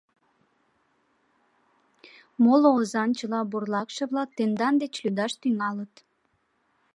Моло озан чыла бурлакше-влак тендан деч лӱдаш тӱҥалыт.